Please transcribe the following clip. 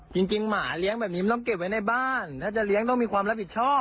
จริงหมาเลี้ยงแบบนี้มันต้องเก็บไว้ในบ้านถ้าจะเลี้ยงต้องมีความรับผิดชอบ